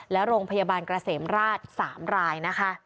และโรงพยาบาลกระเสมราช๓ราย